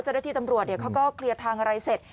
เจ้าหน้าที่ตำรวจเขาก็เคลียร์ทางอะไรเสร็จ